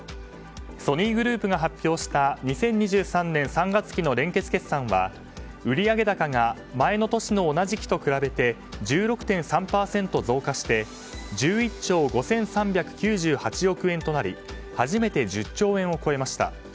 ソニーグループが発表した２０２３年３月期の連結決算は、売上高が前の年の同じ期と比べて１６．３％増加して１１兆５３９８億円となり初めて１０兆円を超えました。